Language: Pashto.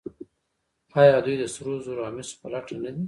آیا دوی د سرو زرو او مسو په لټه نه دي؟